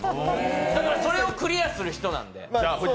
だからそれをクリアする人なんで。